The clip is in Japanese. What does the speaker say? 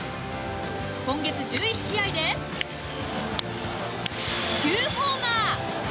今月１１試合で９ホーマー。